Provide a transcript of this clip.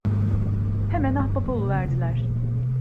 Hemen ahbap oluverdiler.